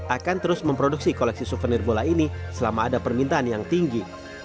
akan terus memproduksi koleksi souvenir bola ini selama ada permintaan yang tinggi